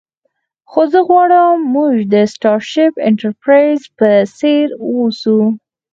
خو زه غواړم موږ د سټارشیپ انټرپریز په څیر اوسو